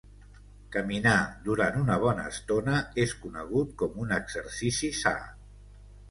Caminar, durant una bona estona, és conegut com un exercici sa.